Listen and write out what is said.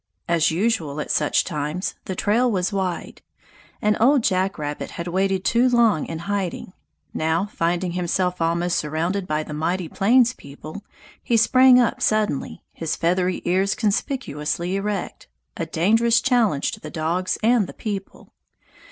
As usual at such times, the trail was wide. An old jack rabbit had waited too long in hiding. Now, finding himself almost surrounded by the mighty plains people, he sprang up suddenly, his feathery ears conspicuously erect, a dangerous challenge to the dogs and the people.